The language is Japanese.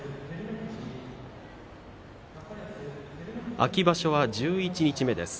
秋場所は十一日目です。